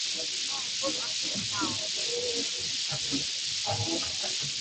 s mwanamke pekee katika bara la afrika